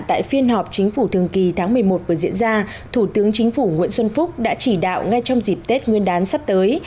tại phiên họp chính phủ thường kỳ tháng một mươi một vừa diễn ra thủ tướng chính phủ nguyễn xuân phúc đã chỉ đạo ngay trong dịp tết nguyên đán sắp tới